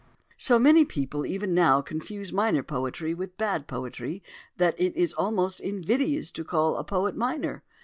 So many people even now confuse minor poetry with bad poetry that it is almost invidious to call a poet minor.